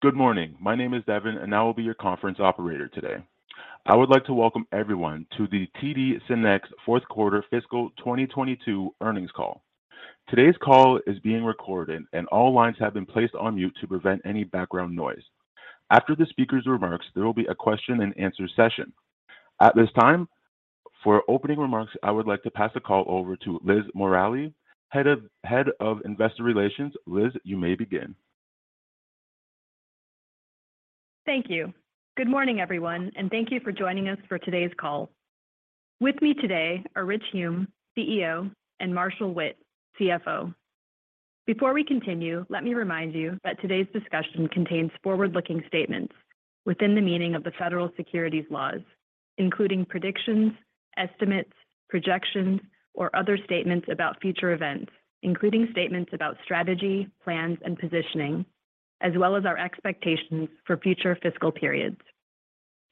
Good morning. My name is Devin, and I will be your conference operator today. I would like to welcome everyone to the TD SYNNEX Fourth Quarter Fiscal 2022 Earnings Call. Today's call is being recorded, and all lines have been placed on mute to prevent any background noise. After the speaker's remarks, there will be a question-and-answer session. At this time, for opening remarks, I would like to pass the call over to Liz Morali, Head of Investor Relations. Liz, you may begin. Thank you. Good morning, everyone, and thank you for joining us for today's call. With me today are Rich Hume, CEO, and Marshall Witt, CFO. Before we continue, let me remind you that today's discussion contains forward-looking statements within the meaning of the federal securities laws, including predictions, estimates, projections, or other statements about future events, including statements about strategy, plans, and positioning, as well as our expectations for future fiscal periods.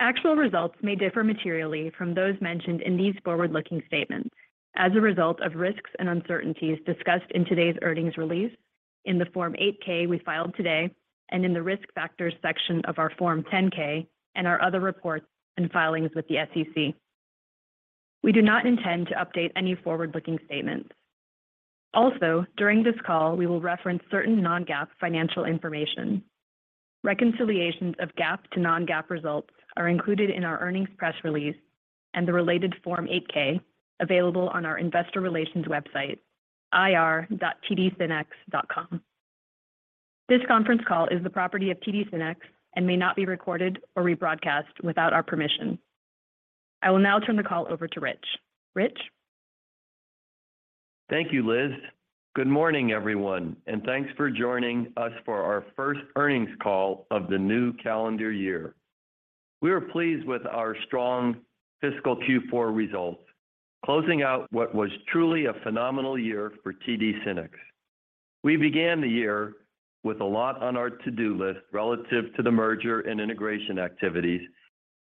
Actual results may differ materially from those mentioned in these forward-looking statements as a result of risks and uncertainties discussed in today's earnings release, in the Form 8-K we filed today, and in the Risk Factors section of our Form 10-K and our other reports and filings with the SEC. We do not intend to update any forward-looking statements. During this call, we will reference certain non-GAAP financial information. Reconciliations of GAAP to non-GAAP results are included in our earnings press release and the related Form 8-K available on our investor relations website, ir.tdsynnex.com. This conference call is the property of TD SYNNEX and may not be recorded or rebroadcast without our permission. I will now turn the call over to Rich. Rich? Thank you, Liz. Good morning, everyone, thanks for joining us for our first earnings call of the new calendar year. We are pleased with our strong fiscal Q4 results, closing out what was truly a phenomenal year for TD SYNNEX. We began the year with a lot on our to-do list relative to the merger and integration activities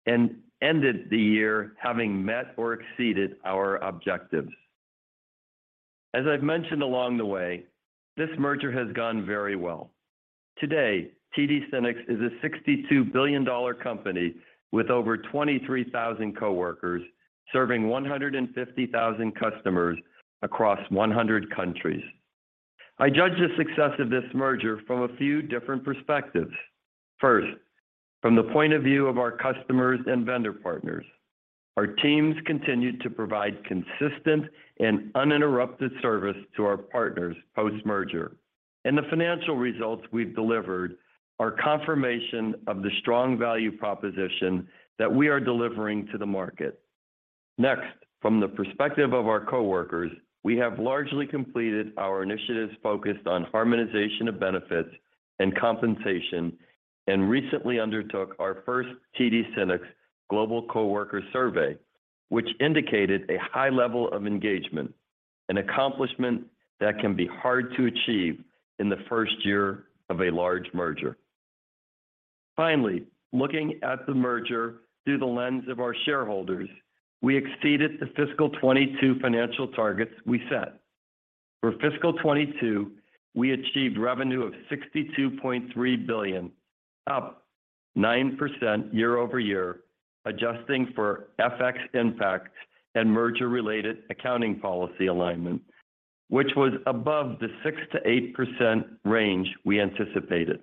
and ended the year having met or exceeded our objectives. As I've mentioned along the way, this merger has gone very well. Today, TD SYNNEX is a $62 billion company with over 23,000 coworkers serving 150,000 customers across 100 countries. I judge the success of this merger from a few different perspectives. First, from the point of view of our customers and vendor partners, our teams continued to provide consistent and uninterrupted service to our partners post-merger, and the financial results we've delivered are confirmation of the strong value proposition that we are delivering to the market. Next, from the perspective of our coworkers, we have largely completed our initiatives focused on harmonization of benefits and compensation and recently undertook our first TD SYNNEX global coworker survey, which indicated a high level of engagement, an accomplishment that can be hard to achieve in the first year of a large merger. Finally, looking at the merger through the lens of our shareholders, we exceeded the fiscal 2022 financial targets we set. For fiscal 2022, we achieved revenue of $62.3 billion, up 9% year-over-year, adjusting for FX impacts and merger-related accounting policy alignment, which was above the 6%-8% range we anticipated.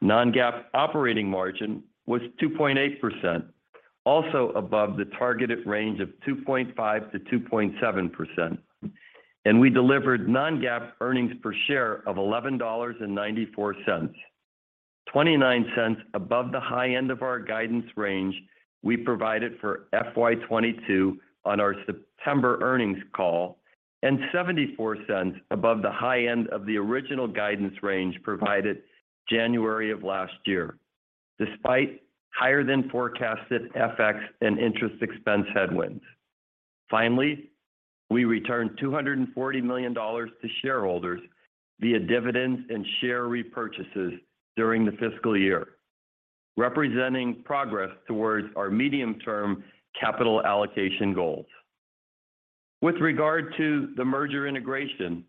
non-GAAP operating margin was 2.8%, also above the targeted range of 2.5%-2.7%, and we delivered non-GAAP earnings per share of $11.94. $0.29 above the high end of our guidance range we provided for FY 2022 on our September earnings call, and $0.74 above the high end of the original guidance range provided January of last year, despite higher than forecasted FX and interest expense headwinds. Finally, we returned $240 million to shareholders via dividends and share repurchases during the fiscal year, representing progress towards our medium-term capital allocation goals. With regard to the merger integration,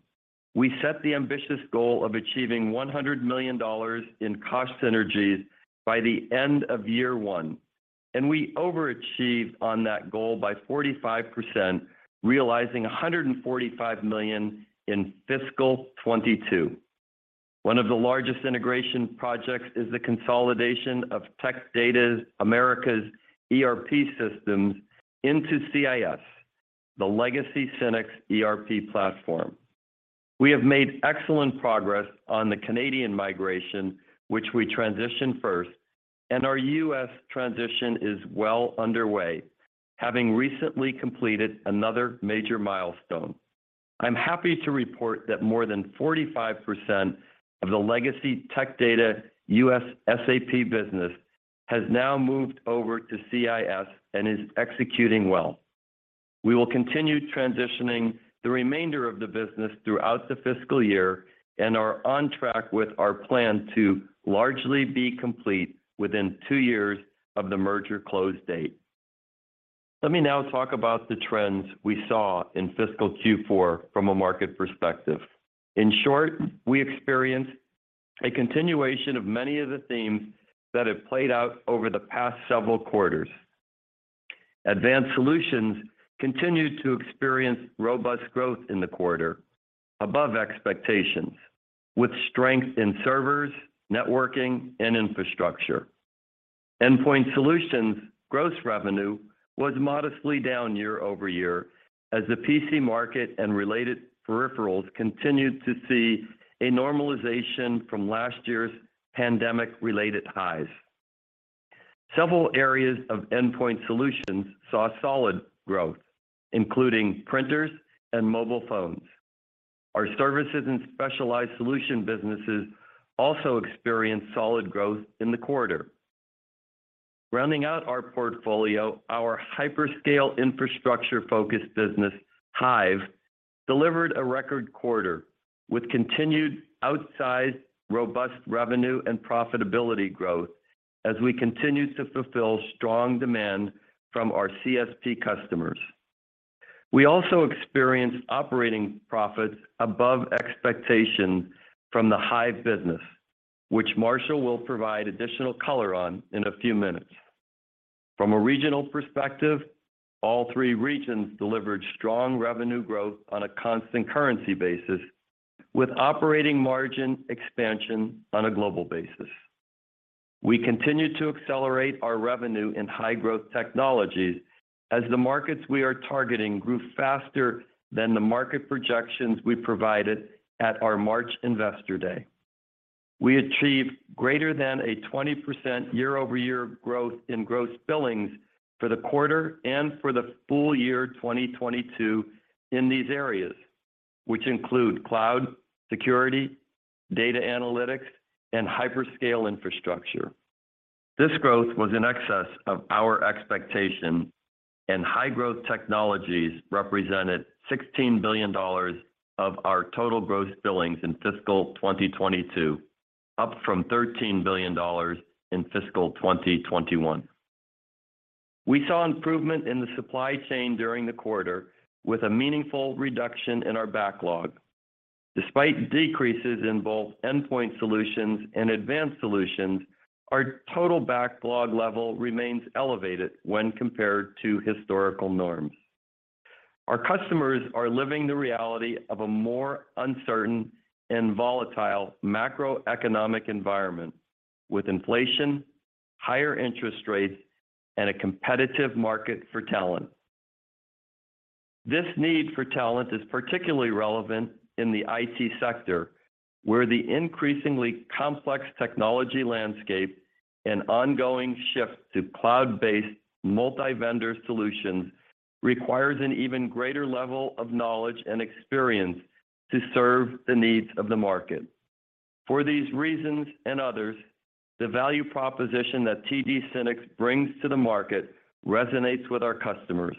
we set the ambitious goal of achieving $100 million in cost synergies by the end of year one. We overachieved on that goal by 45%, realizing $145 million in fiscal 2022. One of the largest integration projects is the consolidation of Tech Data Americas' ERP systems into CIS, the legacy SYNNEX ERP platform. We have made excellent progress on the Canadian migration, which we transitioned first, and our U.S. transition is well underway, having recently completed another major milestone. I'm happy to report that more than 45% of the legacy tech data U.S. SAP business has now moved over to CIS and is executing well. We will continue transitioning the remainder of the business throughout the fiscal year and are on track with our plan to largely be complete within two years of the merger close date. Let me now talk about the trends we saw in fiscal Q4 from a market perspective. In short, we experienced a continuation of many of the themes that have played out over the past several quarters. Advanced Solutions continued to experience robust growth in the quarter above expectations, with strength in servers, networking, and infrastructure. Endpoint Solutions gross revenue was modestly down year-over-year as the PC market and related peripherals continued to see a normalization from last year's pandemic-related highs. Several areas of Endpoint Solutions saw solid growth, including printers and mobile phones. Our services and specialized solution businesses also experienced solid growth in the quarter. Rounding out our portfolio, our hyperscale infrastructure-focused business, Hyve, delivered a record quarter with continued outsized robust revenue and profitability growth as we continue to fulfill strong demand from our CSP customers. We also experienced operating profits above expectation from the Hyve business, which Marshall will provide additional color on in a few minutes. From a regional perspective, all three regions delivered strong revenue growth on a constant currency basis, with operating margin expansion on a global basis. We continued to accelerate our revenue in high-growth technologies as the markets we are targeting grew faster than the market projections we provided at our March Investor Day. We achieved greater than a 20% year-over-year growth in gross billings for the quarter and for the full year 2022 in these areas, which include cloud, security, data analytics, and hyperscale infrastructure. This growth was in excess of our expectation. High-growth technologies represented $16 billion of our total gross billings in fiscal 2022, up from $13 billion in fiscal 2021. We saw improvement in the supply chain during the quarter with a meaningful reduction in our backlog. Despite decreases in both Endpoint Solutions and Advanced Solutions, our total backlog level remains elevated when compared to historical norms. Our customers are living the reality of a more uncertain and volatile macroeconomic environment with inflation, higher interest rates, and a competitive market for talent. This need for talent is particularly relevant in the IT sector, where the increasingly complex technology landscape and ongoing shift to cloud-based multi-vendor solutions requires an even greater level of knowledge and experience to serve the needs of the market. For these reasons and others, the value proposition that TD SYNNEX brings to the market resonates with our customers.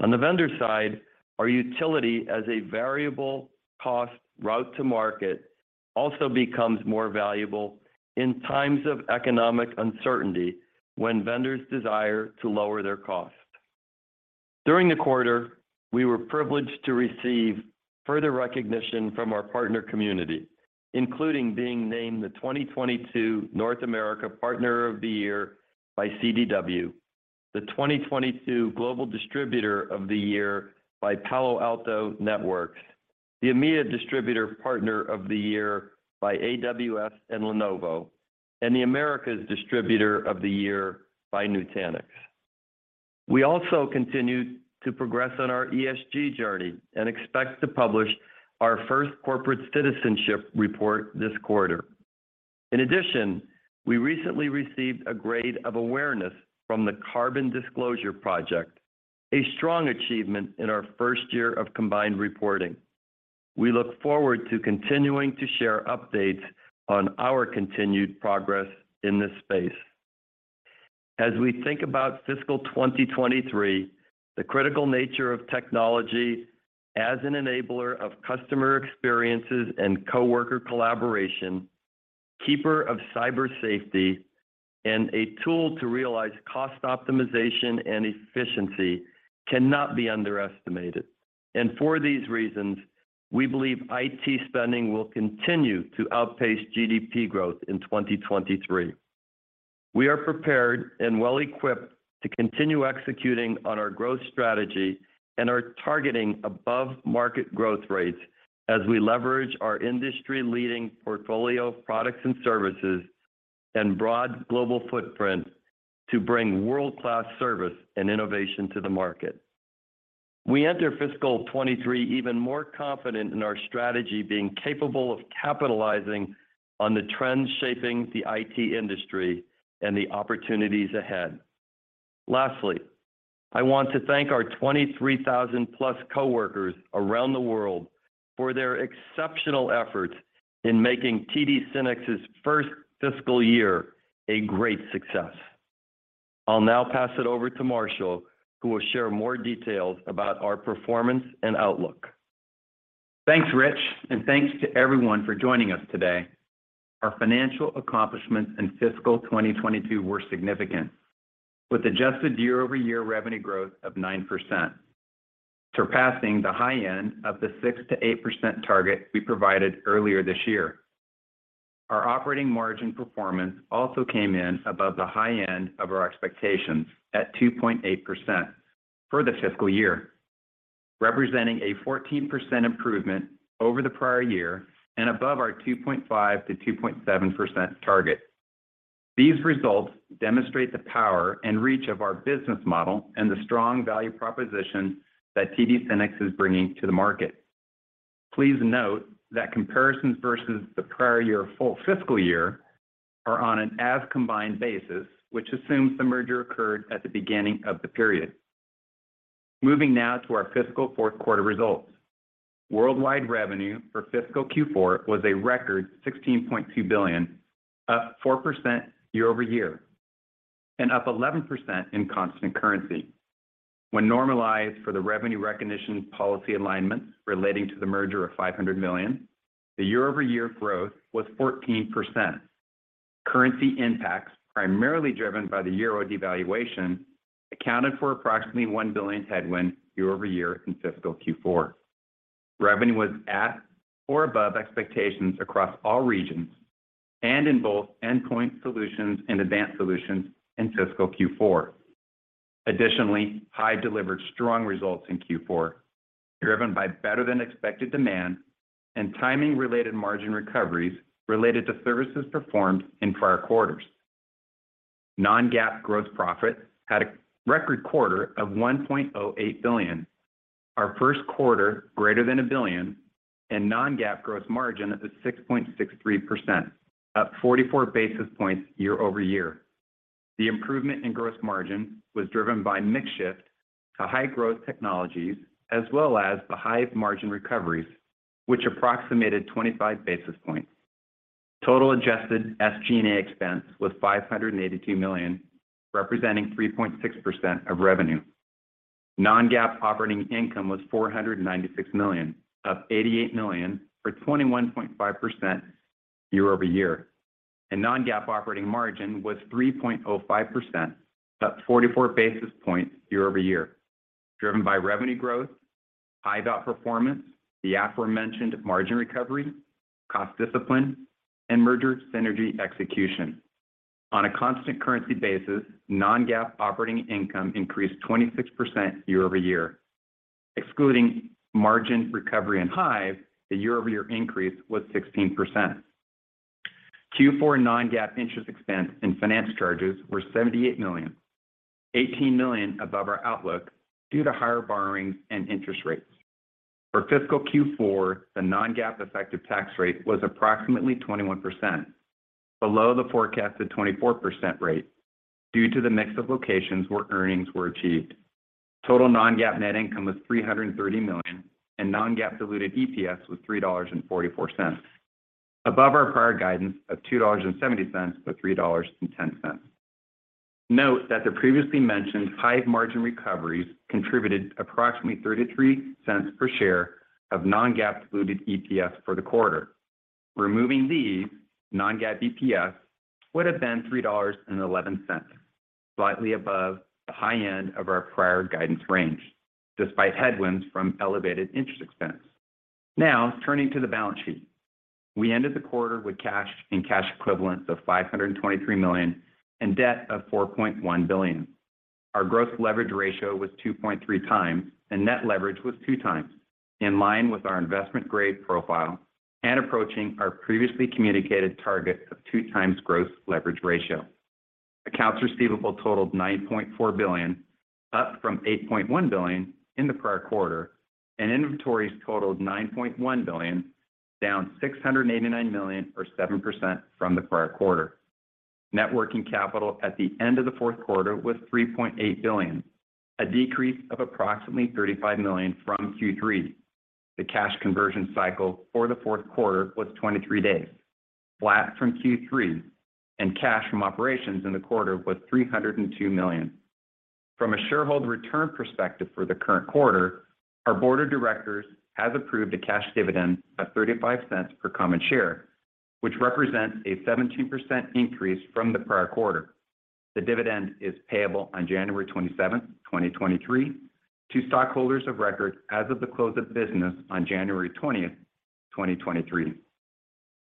On the vendor side, our utility as a variable cost route to market also becomes more valuable in times of economic uncertainty when vendors desire to lower their cost. During the quarter, we were privileged to receive further recognition from our partner community, including being named the 2022 North America Partner of the Year by CDW, the 2022 Global Distributor of the Year by Palo Alto Networks, the EMEA Distributor Partner of the Year by AWS and Lenovo, and the Americas Distributor of the Year by Nutanix. We also continued to progress on our ESG journey and expect to publish our first corporate citizenship report this quarter. We recently received a grade of awareness from the Carbon Disclosure Project, a strong achievement in our first year of combined reporting. We look forward to continuing to share updates on our continued progress in this space. As we think about fiscal 2023, the critical nature of technology as an enabler of customer experiences and coworker collaboration, keeper of cyber safety, and a tool to realize cost optimization and efficiency cannot be underestimated. For these reasons, we believe IT spending will continue to outpace GDP growth in 2023. We are prepared and well equipped to continue executing on our growth strategy and are targeting above market growth rates as we leverage our industry-leading portfolio of products and services and broad global footprint to bring world-class service and innovation to the market. We enter fiscal 2023 even more confident in our strategy being capable of capitalizing on the trends shaping the IT industry and the opportunities ahead. Lastly, I want to thank our 23,000 plus coworkers around the world for their exceptional efforts in making TD SYNNEX's first fiscal year a great success. I'll now pass it over to Marshall, who will share more details about our performance and outlook. Thanks, Rich, and thanks to everyone for joining us today. Our financial accomplishments in fiscal 2022 were significant, with adjusted year-over-year revenue growth of 9%, surpassing the high end of the 6%-8% target we provided earlier this year. Our operating margin performance also came in above the high end of our expectations at 2.8% for the fiscal year, representing a 14% improvement over the prior year and above our 2.5%-2.7% target. These results demonstrate the power and reach of our business model and the strong value proposition that TD SYNNEX is bringing to the market. Please note that comparisons versus the prior year full fiscal year are on an as-combined basis, which assumes the merger occurred at the beginning of the period. Moving now to our fiscal fourth quarter results. Worldwide revenue for fiscal Q4 was a record $16.2 billion, up 4% year-over-year, up 11% in constant currency. When normalized for the revenue recognition policy alignment relating to the merger of $500 million, the year-over-year growth was 14%. Currency impacts, primarily driven by the Euro devaluation, accounted for approximately $1 billion headwind year-over-year in fiscal Q4. Revenue was at or above expectations across all regions and in both Endpoint Solutions and Advanced Solutions in fiscal Q4. Hyve delivered strong results in Q4, driven by better than expected demand and timing-related margin recoveries related to services performed in prior quarters. non-GAAP gross profit had a record quarter of $1.08 billion, our first quarter greater than $1 billion, non-GAAP gross margin at 6.63%, up 44 basis points year-over-year. The improvement in gross margin was driven by mix shift to high-growth technologies, as well as the Hyve margin recoveries, which approximated 25 basis points. Total adjusted SG&A expense was $582 million, representing 3.6% of revenue. non-GAAP operating income was $496 million, up $88 million for 21.5% year-over-year. Non-GAAP operating margin was 3.05%, up 44 basis points year-over-year, driven by revenue growth, Hyve performance, the aforementioned margin recovery, cost discipline, and merger synergy execution. On a constant currency basis, non-GAAP operating income increased 26% year-over-year. Excluding margin recovery in Hyve, the year-over-year increase was 16%. Q4 non-GAAP interest expense and finance charges were $78 million, $18 million above our outlook due to higher borrowing and interest rates. For fiscal Q4, the non-GAAP effective tax rate was approximately 21%, below the forecasted 24% rate due to the mix of locations where earnings were achieved. Total non-GAAP net income was $330 million, and non-GAAP diluted EPS was $3.44, above our prior guidance of $2.70-$3.10. Note that the previously mentioned Hyve margin recoveries contributed approximately $0.33 per share of non-GAAP diluted EPS for the quarter. Removing these, non-GAAP EPS would have been $3.11, slightly above the high end of our prior guidance range, despite headwinds from elevated interest expense. Turning to the balance sheet. We ended the quarter with cash and cash equivalents of $523 million and debt of $4.1 billion. Our gross leverage ratio was 2.3x, and net leverage was 2x, in line with our investment grade profile and approaching our previously communicated target of 2x gross leverage ratio. Accounts receivable totaled $9.4 billion, up from $8.1 billion in the prior quarter, and inventories totaled $9.1 billion, down $689 million or 7% from the prior quarter. Networking capital at the end of the fourth quarter was $3.8 billion, a decrease of approximately $35 million from Q3. The cash conversion cycle for the fourth quarter was 23 days, flat from Q3, and cash from operations in the quarter was $302 million. From a shareholder return perspective for the current quarter, our board of directors has approved a cash dividend of $0.35 per common share, which represents a 17% increase from the prior quarter. The dividend is payable on January 27th, 2023 to stockholders of record as of the close of business on January 20th, 2023.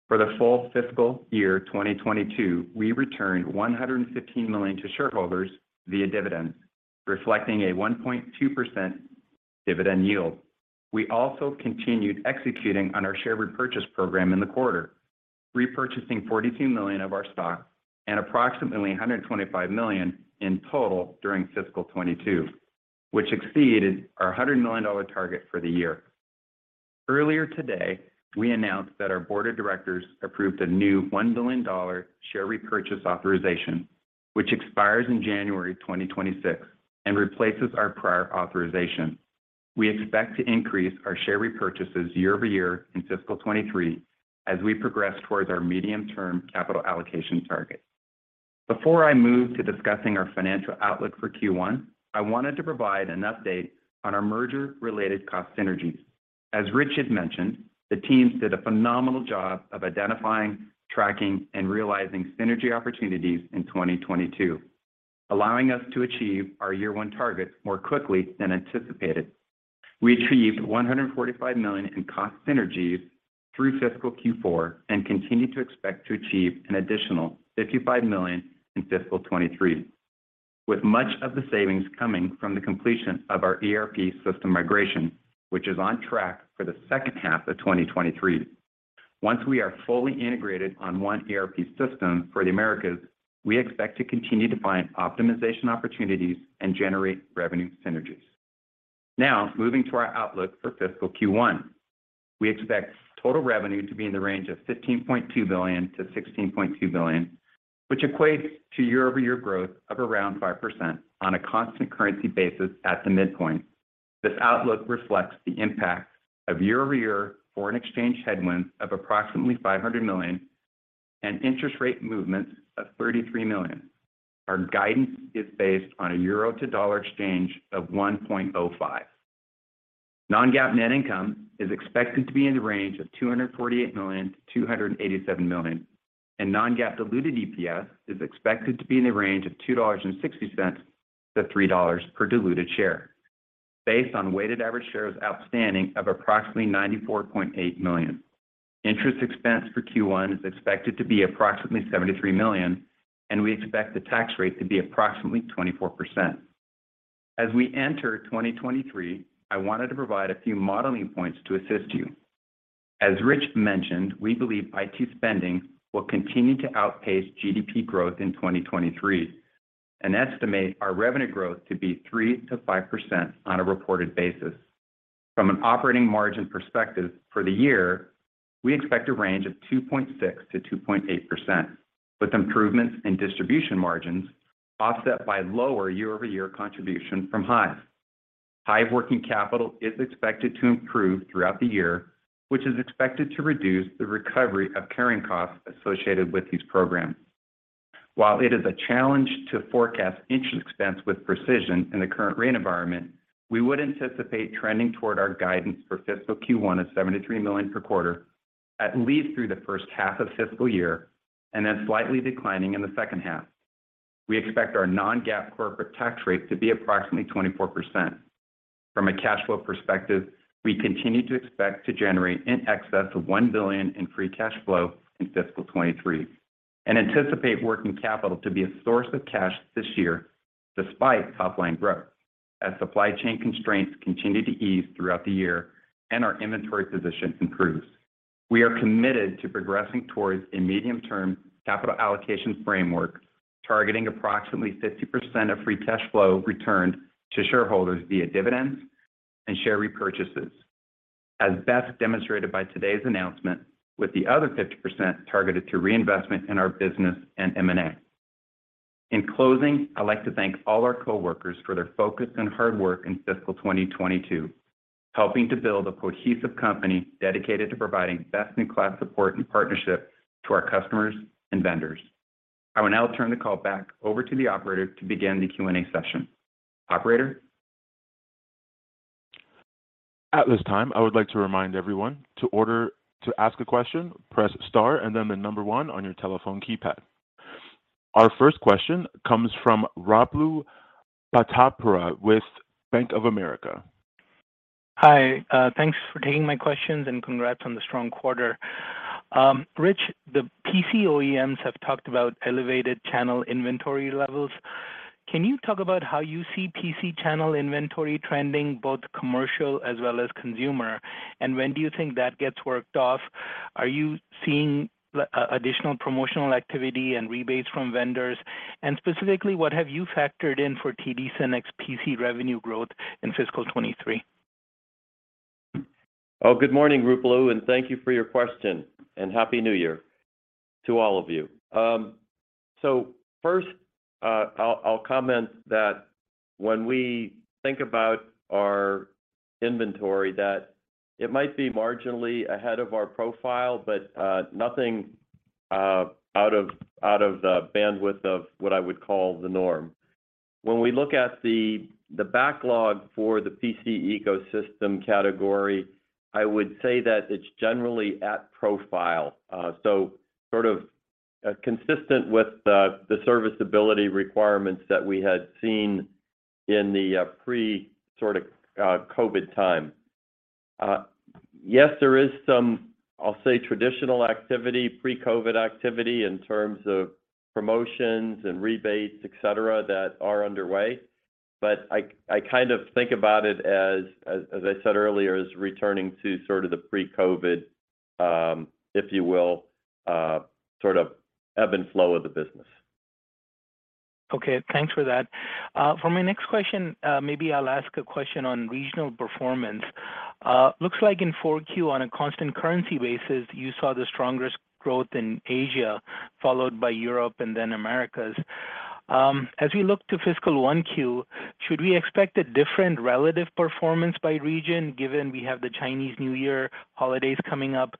For the full fiscal year 2022, we returned $115 million to shareholders via dividends, reflecting a 1.2% dividend yield. We also continued executing on our share repurchase program in the quarter, repurchasing $42 million of our stock and approximately $125 million in total during fiscal 2022, which exceeded our $100 million target for the year. Earlier today, we announced that our board of directors approved a new $1 billion share repurchase authorization, which expires in January 2026 and replaces our prior authorization. We expect to increase our share repurchases year-over-year in fiscal 2023 as we progress towards our medium-term capital allocation target. Before I move to discussing our financial outlook for Q1, I wanted to provide an update on our merger related cost synergies. As Rich has mentioned, the teams did a phenomenal job of identifying, tracking, and realizing synergy opportunities in 2022, allowing us to achieve our year one targets more quickly than anticipated. We achieved $145 million in cost synergies through fiscal Q4, and continue to expect to achieve an additional $55 million in fiscal 2023, with much of the savings coming from the completion of our ERP system migration, which is on track for the second half of 2023. Once we are fully integrated on one ERP system for the Americas, we expect to continue to find optimization opportunities and generate revenue synergies. Now, moving to our outlook for fiscal Q1. We expect total revenue to be in the range of $15.2 billion-$16.2 billion, which equates to year-over-year growth of around 5% on a constant currency basis at the midpoint. This outlook reflects the impact of year-over-year foreign exchange headwinds of approximately $500 million and interest rate movements of $33 million. Our guidance is based on a EUR to USD exchange of 1.05. non-GAAP net income is expected to be in the range of $248 million-$287 million. non-GAAP diluted EPS is expected to be in the range of $2.60-$3.00 per diluted share based on weighted average shares outstanding of approximately 94.8 million. Interest expense for Q1 is expected to be approximately $73 million, and we expect the tax rate to be approximately 24%. As we enter 2023, I wanted to provide a few modeling points to assist you. As Rich mentioned, we believe IT spending will continue to outpace GDP growth in 2023, and estimate our revenue growth to be 3%-5% on a reported basis. From an operating margin perspective for the year, we expect a range of 2.6%-2.8%, with improvements in distribution margins offset by lower year-over-year contribution from Hyve. Hyve working capital is expected to improve throughout the year, which is expected to reduce the recovery of carrying costs associated with these programs. While it is a challenge to forecast interest expense with precision in the current rate environment, we would anticipate trending toward our guidance for fiscal Q1 of $73 million per quarter at least through the first half of fiscal year, and then slightly declining in the second half. We expect our non-GAAP corporate tax rate to be approximately 24%. From a cash flow perspective, we continue to expect to generate in excess of $1 billion in free cash flow in fiscal 2023, and anticipate working capital to be a source of cash this year despite top line growth as supply chain constraints continue to ease throughout the year and our inventory position improves. We are committed to progressing towards a medium-term capital allocation framework, targeting approximately 50% of free cash flow returned to shareholders via dividends and share repurchases, as best demonstrated by today's announcement, with the other 50% targeted to reinvestment in our business and M&A. In closing, I'd like to thank all our coworkers for their focus and hard work in fiscal 2022, helping to build a cohesive company dedicated to providing best-in-class support and partnership to our customers and vendors. I will now turn the call back over to the operator to begin the Q&A session. Operator? At this time, I would like to remind everyone to ask a question, press star and then the number one on your telephone keypad. Our first question comes from Ruplu Bhattacharya with Bank of America. Hi, thanks for taking my questions, and congrats on the strong quarter. Rich, the PC OEMs have talked about elevated channel inventory levels. Can you talk about how you see PC channel inventory trending, both commercial as well as consumer? When do you think that gets worked off? Are you seeing additional promotional activity and rebates from vendors? Specifically, what have you factored in for TD SYNNEX PC revenue growth in fiscal 2023? Good morning, Ruplu, thank you for your question. Happy New Year to all of you. First, I'll comment that when we think about our inventory that it might be marginally ahead of our profile, but nothing out of the bandwidth of what I would call the norm. When we look at the backlog for the PC ecosystem category, I would say that it's generally at profile. Sort of consistent with the serviceability requirements that we had seen in the pre sort of COVID time. Yes, there is some, I'll say, traditional activity, pre-COVID activity in terms of promotions and rebates, et cetera, that are underway. I kind of think about it as I said earlier, as returning to sort of the pre-COVID, if you will, sort of ebb and flow of the business. Okay. Thanks for that. For my next question, maybe I'll ask a question on regional performance. Looks like in 4Q, on a constant currency basis, you saw the strongest growth in Asia followed by Europe and then Americas. As we look to fiscal 1Q, should we expect a different relative performance by region given we have the Chinese New Year holidays coming up?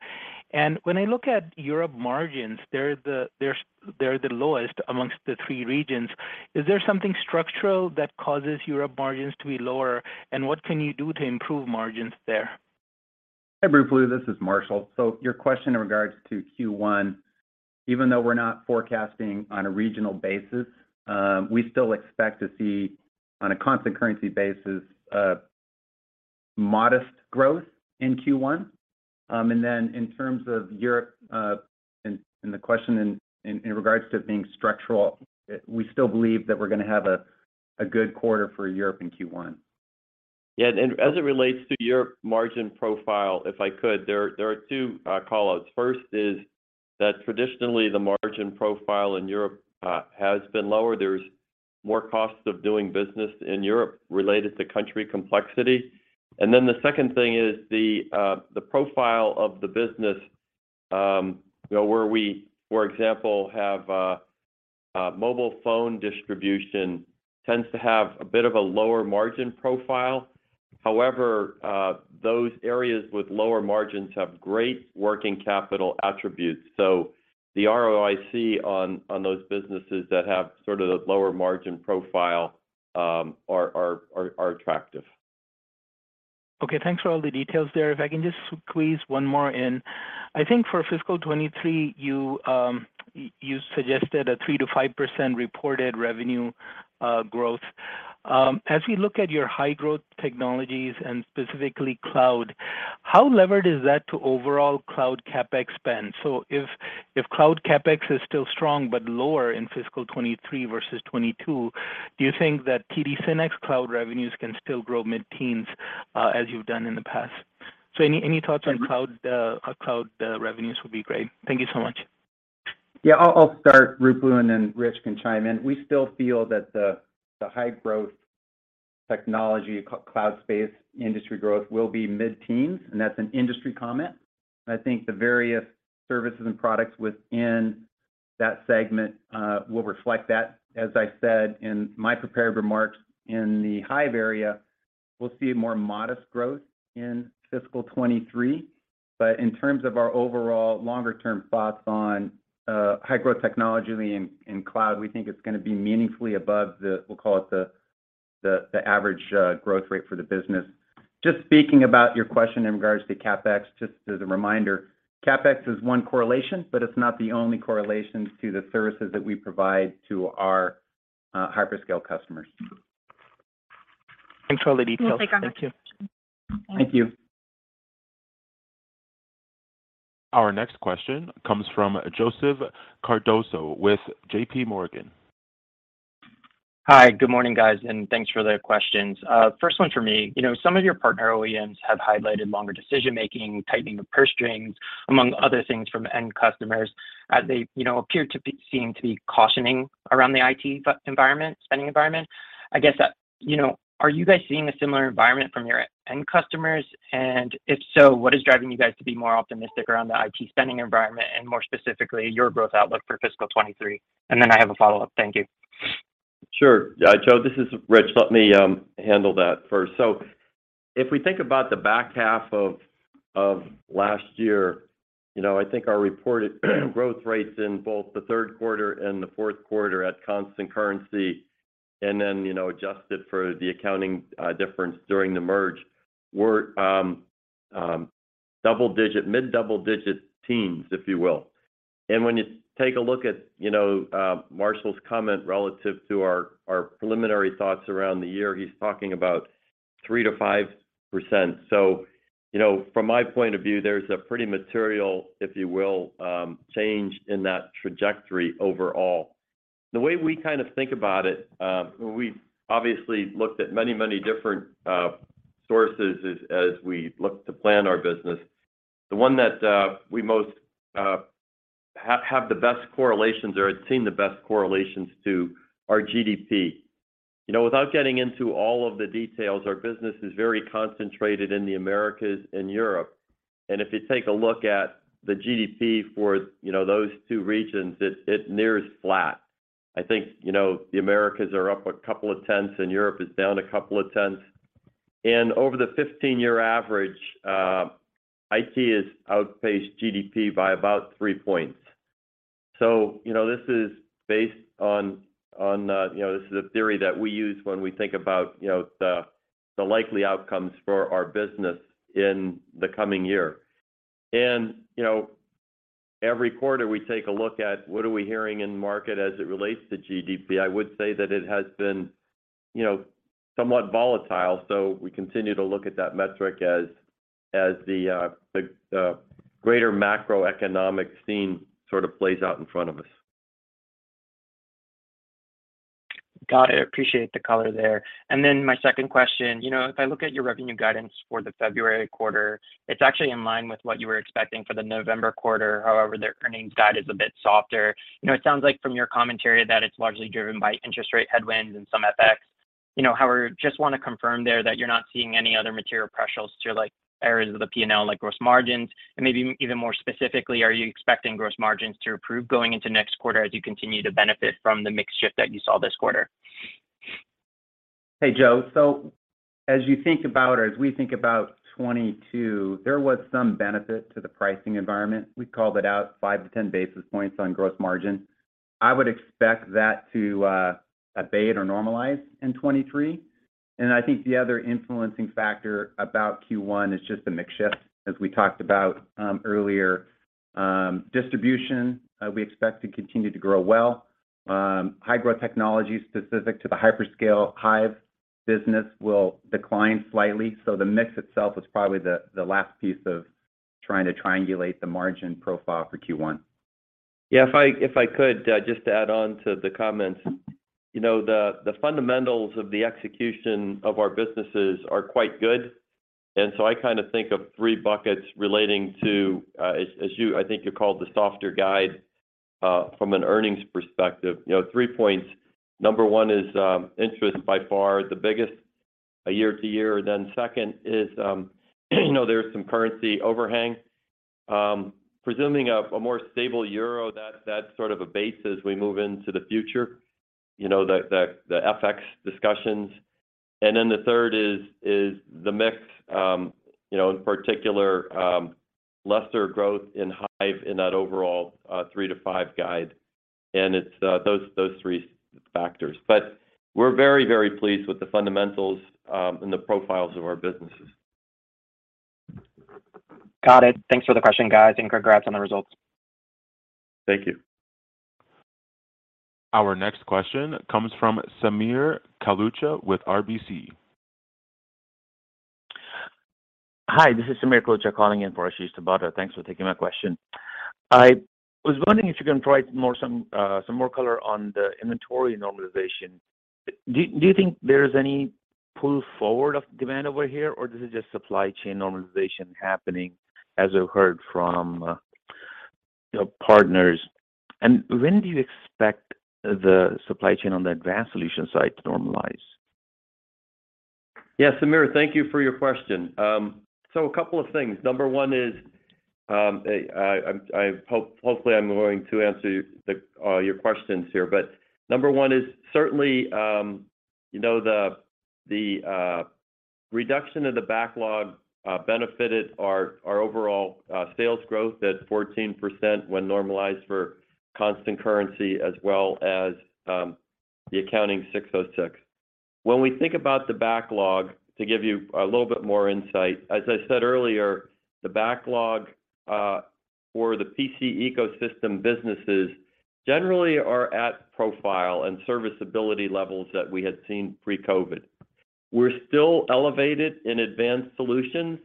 When I look at Europe margins, they're the lowest amongst the three regions. Is there something structural that causes Europe margins to be lower, and what can you do to improve margins there? Hi Ruplu, this is Marshall. Your question in regards to Q1, even though we're not forecasting on a regional basis, we still expect to see, on a constant currency basis, a modest growth in Q1. In terms of Europe, and the question in regards to it being structural, we still believe that we're gonna have a good quarter for Europe in Q1. Yeah. As it relates to Europe margin profile, if I could, there are two call-outs. First is that traditionally the margin profile in Europe has been lower. There's more costs of doing business in Europe related to country complexity. The second thing is the profile of the business, you know, where we, for example, have a mobile phone distribution tends to have a bit of a lower margin profile. However, those areas with lower margins have great working capital attributes. The ROIC on those businesses that have sort of the lower margin profile are attractive. Okay, thanks for all the details there. If I can just squeeze one more in. I think for fiscal 2023, you suggested a 3%-5% reported revenue growth. As we look at your high growth technologies and specifically cloud, how levered is that to overall cloud CapEx spend? If cloud CapEx is still strong but lower in fiscal 2023 versus 2022, do you think that TD SYNNEX cloud revenues can still grow mid-teens as you've done in the past? Any thoughts on cloud revenues would be great. Thank you so much. Yeah. I'll start Ruplu, then Rich can chime in. We still feel that the high growth technology cloud space industry growth will be mid-teens. That's an industry comment. I think the various services and products within that segment will reflect that. As I said in my prepared remarks, in the Hyve area, we'll see more modest growth in fiscal 2023. In terms of our overall longer term thoughts on high-growth technology in Cloud, we think it's gonna be meaningfully above the, we'll call it the average growth rate for the business. Just speaking about your question in regards to CapEx, just as a reminder, CapEx is one correlation, but it's not the only correlation to the services that we provide to our hyperscale customers. Thanks for all the details. Thank you. Thank you. Our next question comes from Joseph Cardoso with JPMorgan. Hi. Good morning, guys, and thanks for the questions. First one for me. You know, some of your partner OEMs have highlighted longer decision-making, tightening of purse strings, among other things from end customers as they, you know, seem to be cautioning around the IT environment, spending environment. I guess, you know, are you guys seeing a similar environment from your end customers? If so, what is driving you guys to be more optimistic around the IT spending environment and more specifically, your growth outlook for fiscal 2023? Then I have a follow-up. Thank you. Sure. Joe, this is Rich. Let me handle that first. If we think about the back half of last year, you know, I think our reported growth rates in both the third quarter and the fourth quarter at constant currency and then, you know, adjusted for the accounting difference during the merge were double-digit, mid double-digit teens, if you will. When you take a look at, you know, Marshall's comment relative to our preliminary thoughts around the year, he's talking about 3%-5%. You know, from my point of view, there's a pretty material, if you will, change in that trajectory overall. The way we kind of think about it, we've obviously looked at many, many different sources as we look to plan our business. The one that we most have the best correlations or had seen the best correlations to are GDP. You know, without getting into all of the details, our business is very concentrated in the Americas and Europe. If you take a look at the GDP for, you know, those two regions, it nears flat. I think, you know, the Americas are up a couple of tenths, and Europe is down a couple of tenths. Over the 15-year average, IT has outpaced GDP by about three points. You know, this is based on, you know, this is a theory that we use when we think about, you know, the likely outcomes for our business in the coming year. You know, every quarter we take a look at what are we hearing in market as it relates to GDP. I would say that it has been, you know, somewhat volatile, so we continue to look at that metric as the greater macroeconomic scene sort of plays out in front of us. Got it. Appreciate the color there. My second question. You know, if I look at your revenue guidance for the February quarter, it's actually in line with what you were expecting for the November quarter. The earnings guide is a bit softer. You know, it sounds like from your commentary that it's largely driven by interest rate headwinds and some FX. You know, how are, just want to confirm there that you're not seeing any other material pressures to, like, areas of the P&L, like gross margins? Maybe even more specifically, are you expecting gross margins to improve going into next quarter as you continue to benefit from the mix shift that you saw this quarter? Hey, Joe. As you think about, or as we think about 2022, there was some benefit to the pricing environment. We called it out 5-10 basis points on gross margin. I would expect that to abate or normalize in 2023. I think the other influencing factor about Q1 is just a mix shift as we talked about earlier. Distribution, we expect to continue to grow well. High-growth technology specific to the hyperscale Hyve business will decline slightly. The mix itself is probably the last piece of trying to triangulate the margin profile for Q1. Yeah, if I could just add on to the comments. You know, the fundamentals of the execution of our businesses are quite good. I kind of think of three buckets relating to as I think you called the softer guide from an earnings perspective. You know, three points. Number one is interest by far, the biggest year-to-year. Second is, you know, there's some currency overhang. Presuming a more stable euro, that's sort of a base as we move into the future. You know, the FX discussions. The third is the mix, you know, in particular, lesser growth in Hyve in that overall 3%-5% guide. It's those three factors. We're very, very pleased with the fundamentals, and the profiles of our businesses. Got it. Thanks for the question, guys, and congrats on the results. Thank you. Our next question comes from Sameer Kalucha with RBC. Hi, this is Sameer Kalucha calling in for Ashish Sabadra. Thanks for taking my question. I was wondering if you can provide some more color on the inventory normalization. Do you think there is any pull forward of demand over here, or this is just supply chain normalization happening as we've heard from partners? When do you expect the supply chain on the Advanced Solutions side to normalize? Yeah, Sameer, thank you for your question. A couple of things. Number one is hopefully I'm going to answer your questions here. Number one is certainly, you know, the reduction of the backlog benefited our overall sales growth at 14% when normalized for constant currency as well as the accounting 606. When we think about the backlog, to give you a little bit more insight, as I said earlier, the backlog for the PC ecosystem businesses generally are at profile and serviceability levels that we had seen pre-COVID. We're still elevated in Advanced Solutions,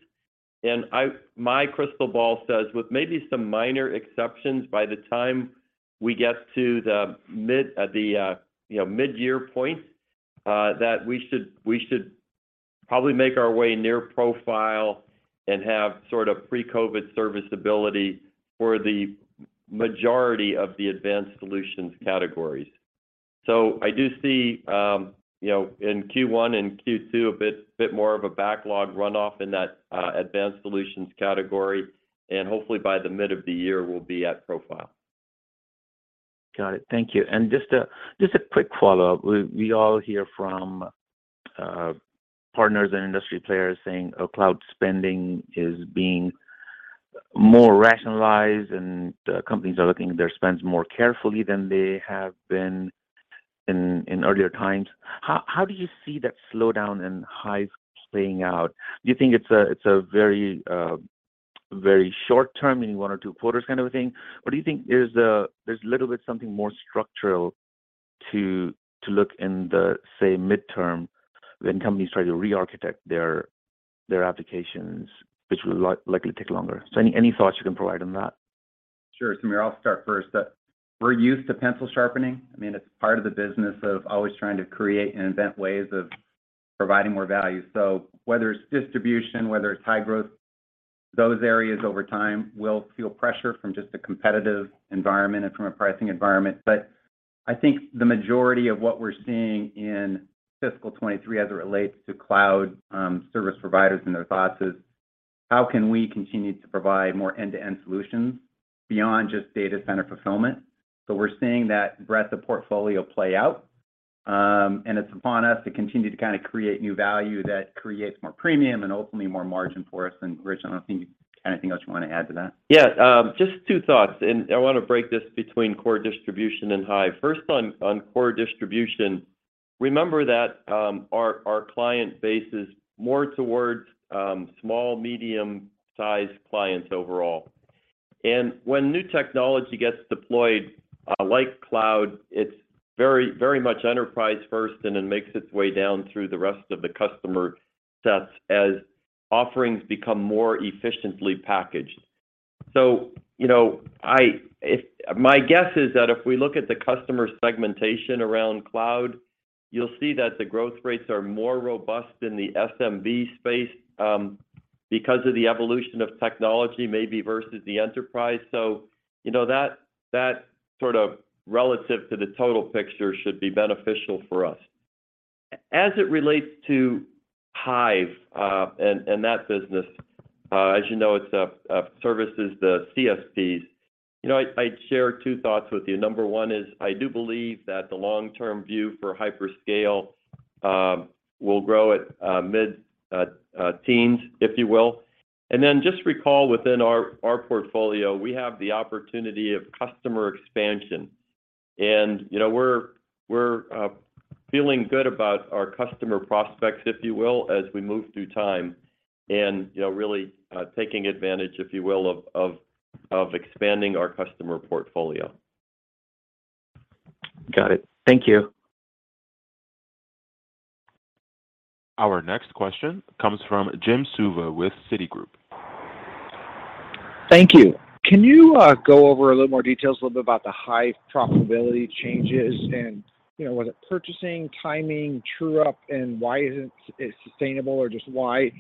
my crystal ball says with maybe some minor exceptions by the time we get to the you know, midyear point, that we should probably make our way near profile and have sort of pre-COVID serviceability for the majority of the Advanced Solutions categories. I do see, you know, in Q1 and Q2 a bit more of a backlog runoff in that Advanced Solutions category, hopefully by the mid of the year, we'll be at profile. Got it. Thank you. Just a quick follow-up. We all hear from partners and industry players saying cloud spending is being more rationalized, and companies are looking at their spends more carefully than they have been in earlier times. How do you see that slowdown in Hyve playing out? Do you think it's a very short term, meaning one or two quarters kind of a thing? Or do you think there's a little bit something more structural to look in the, say, midterm when companies try to rearchitect their applications, which will likely take longer? Any thoughts you can provide on that? Sure, Sameer. I'll start first. We're used to pencil sharpening. I mean, it's part of the business of always trying to create and invent ways of providing more value. Whether it's distribution, whether it's high growth, those areas over time will feel pressure from just the competitive environment and from a pricing environment. I think the majority of what we're seeing in fiscal 2023 as it relates to cloud, service providers and their thoughts is how can we continue to provide more end-to-end solutions beyond just data center fulfillment? We're seeing that breadth of portfolio play out, and it's upon us to continue to kind of create new value that creates more premium and ultimately more margin for us. Rich, I don't think anything else you want to add to that. Yeah, just two thoughts. I want to break this between Core Distribution and Hyve. First on Core Distribution, remember that, our client base is more towards small, medium-sized clients overall. When new technology gets deployed, like cloud, it's very, very much enterprise first, and it makes its way down through the rest of the customer sets as offerings become more efficiently packaged. You know, my guess is that if we look at the customer segmentation around cloud, you'll see that the growth rates are more robust in the SMB space, because of the evolution of technology maybe versus the enterprise. You know, that sort of relative to the total picture should be beneficial for us. As it relates to Hyve, and that business, as you know, it's services the CSPs. You know, I'd share two thoughts with you. Number one is I do believe that the long-term view for hyperscale will grow at mid-teens, if you will. Just recall within our portfolio, we have the opportunity of customer expansion. You know, we're feeling good about our customer prospects, if you will, as we move through time and, you know, really taking advantage, if you will, of expanding our customer portfolio. Got it. Thank you. Our next question comes from Jim Suva with Citigroup. Thank you. Can you go over a little more details a little bit about the Hyve profitability changes and, you know, was it purchasing, timing, true-up, and why isn't it sustainable or just why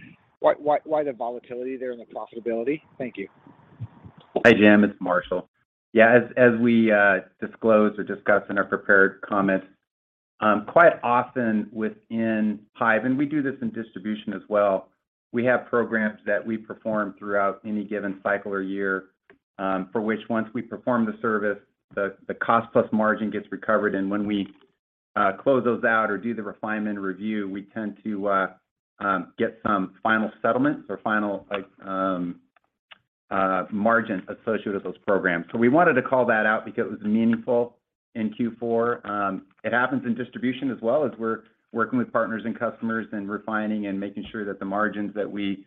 the volatility there in the profitability? Thank you. Hi, Jim, it's Marshall. Yeah, as we disclosed or discussed in our prepared comments, quite often within Hyve, and we do this in distribution as well, we have programs that we perform throughout any given cycle or year, for which once we perform the service, the cost plus margin gets recovered. And when we close those out or do the refinement review, we tend to get some final settlements or final, like, margin associated with those programs. We wanted to call that out because it was meaningful in Q4. It happens in distribution as well as we're working with partners and customers and refining and making sure that the margins that we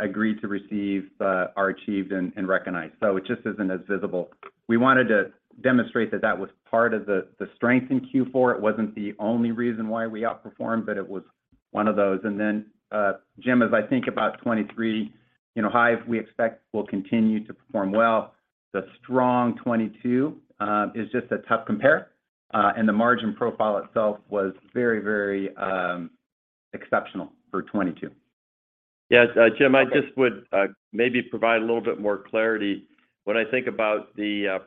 agree to receive are achieved and recognized. It just isn't as visible. We wanted to demonstrate that that was part of the strength in Q4. It wasn't the only reason why we outperformed, but it was one of those. Then, Jim, as I think about 2023, you know, Hyve, we expect will continue to perform well. The strong 2022 is just a tough compare, and the margin profile itself was very, very exceptional for 2022. Yes, Jim, I just would maybe provide a little bit more clarity. When I think about the,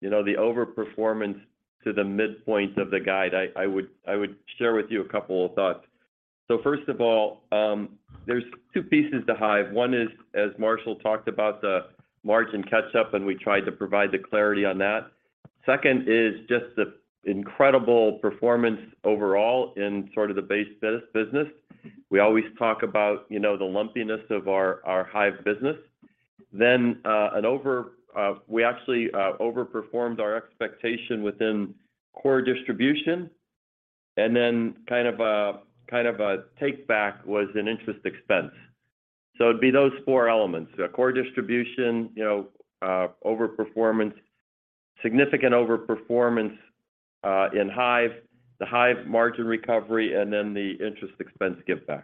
you know, the overperformance to the midpoint of the guide, I would share with you a couple of thoughts. First of all, there's two pieces to Hyve. One is, as Marshall talked about, the margin catch-up, and we tried to provide the clarity on that. Second is just the incredible performance overall in sort of the base business. We always talk about, you know, the lumpiness of our Hyve business. We actually overperformed our expectation within Core Distribution, and then kind of a take-back was an interest expense. It'd be those four elements, the Core Distribution, you know, overperformance, significant overperformance, in Hyve, the Hyve margin recovery, and then the interest expense giveback.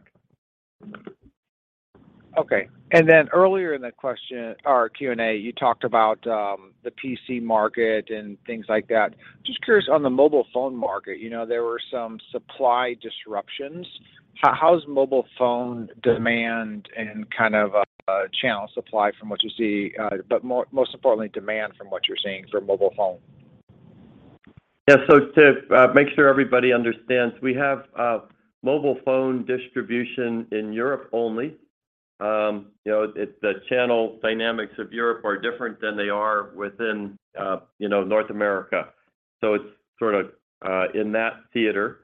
Okay. Earlier in the Q&A, you talked about the PC market and things like that. Just curious on the mobile phone market. You know, there were some supply disruptions. How's mobile phone demand and kind of channel supply from what you see, but most importantly, demand from what you're seeing for mobile phone? Yeah. To make sure everybody understands, we have mobile phone distribution in Europe only. You know, the channel dynamics of Europe are different than they are within, you know, North America. It's sort of in that theater.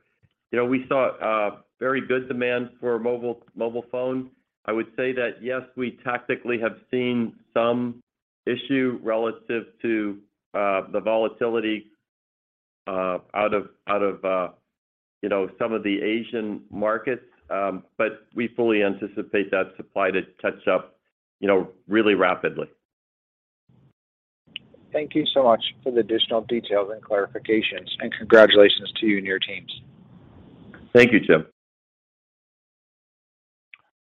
You know, we saw very good demand for mobile phone. I would say that yes, we tactically have seen some issue relative to the volatility out of, you know, some of the Asian markets. We fully anticipate that supply to catch up, you know, really rapidly. Thank you so much for the additional details and clarifications, and congratulations to you and your teams. Thank you, Jim.